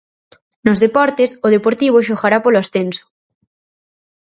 Nos deportes, o Deportivo xogará polo ascenso.